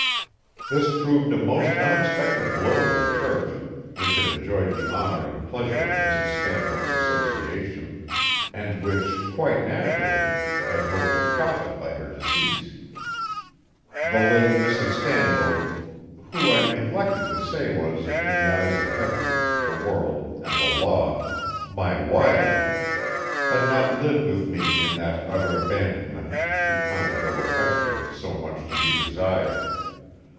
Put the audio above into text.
This proved a most unexpected blow to the church, which had enjoyed the honor and pleasure of Mrs. Stanhope's association, and which, quite naturally, had hoped to profit by her decease. The late Mrs. Stanhope, who I neglected to say was, in the eyes of Heaven, the world, and the law, my wife, had not lived with me in that utter abandonment to conjugal affection so much to be desired.